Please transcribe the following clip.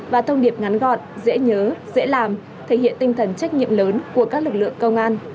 và thông điệp ngắn gọn dễ nhớ dễ làm thể hiện tinh thần trách nhiệm lớn của các lực lượng công an